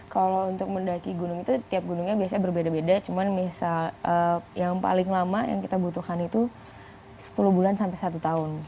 kalau untuk mendaki gunung itu tiap gunungnya biasanya berbeda beda cuman misal yang paling lama yang kita butuhkan itu sepuluh bulan sampai satu tahun